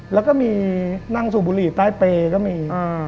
แล้วก็มีนั่งสูบบุหรี่ใต้เปรย์ก็มี